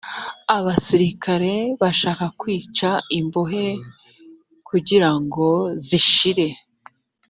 abasirikare bashaka kwica imbohe kugira ngo zishire